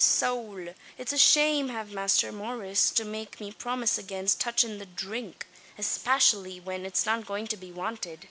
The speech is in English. Sowl! it's a shame av Masther Maurice to make me promise agaynst touchin' the dhrink espacially when it's not goin' to be wanted.